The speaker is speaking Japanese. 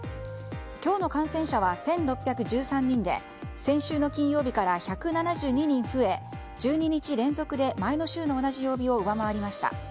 今日の感染者は１６１３人で先週の金曜日から１７２人増え１２日連続で前の週の同じ曜日を上回りました。